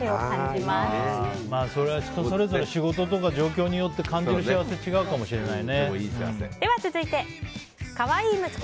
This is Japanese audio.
それは人それぞれ仕事とか状況によって感じる幸せ違うかもしれないね。